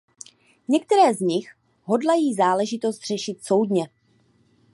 Některé z nich hodlají záležitost řešit soudně.